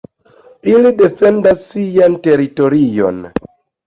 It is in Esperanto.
Ili defendas sian teritorion.